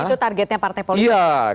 itu targetnya partai politik